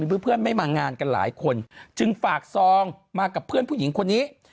เพื่อนไม่มางานกันหลายคนจึงฝากซองมากับเพื่อนผู้หญิงคนนี้